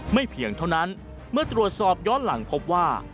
เพียงเท่านั้นเมื่อตรวจสอบย้อนหลังพบว่า